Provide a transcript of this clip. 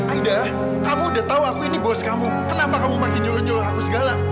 aida kamu udah tau aku ini bos kamu kenapa kamu makin jor jor aku segala